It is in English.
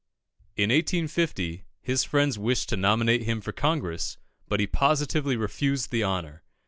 In 1850, his friends wished to nominate him for Congress, but he positively refused the honour.